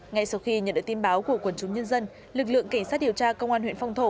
ngay sau khi nhận được tin báo của quần chúng nhân dân lực lượng cảnh sát điều tra công an huyện phong thổ